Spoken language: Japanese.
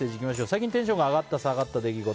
最近テンションが上がった下がった出来事